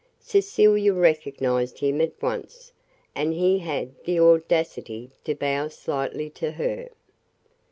Cecilia recognized him at once, and he had the audacity to bow slightly to her.